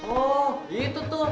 oh itu tuh